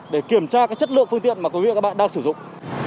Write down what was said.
để kiểm tra chất lượng phương tiện mà quý vị và các bạn đang sử dụng